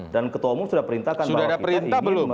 dan ketua umum sudah perintahkan bahwa kita ingin